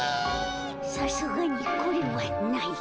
さすがにこれはない。